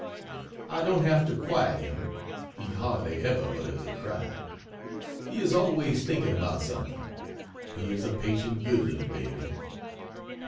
I don't have to quiet him he hardly ever utters a cry. He is always thinking about something. He is a patient, good little baby.